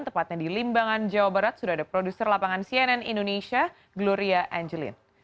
tepatnya di limbangan jawa barat sudah ada produser lapangan cnn indonesia gloria angelin